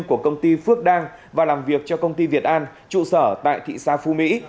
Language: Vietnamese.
của công ty phước đang và làm việc cho công ty việt an trụ sở tại thị xã phú mỹ